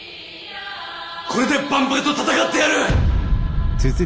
これで万博と闘ってやる！